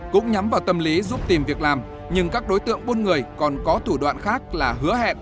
cũng nhắm vào tâm lý giúp tìm việc làm nhưng các đối tượng buôn người còn có thủ đoạn khác là hứa hẹn